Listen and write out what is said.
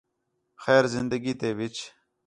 خیر زندگی تے وِچ